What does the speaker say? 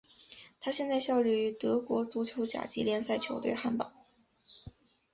他现在效力于德国足球甲级联赛球队汉堡。